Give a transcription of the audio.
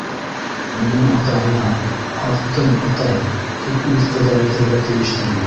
Уның атаһына «ҡаттым, атай» тип үҙ ҡыҙы әйтергә тейештер бит.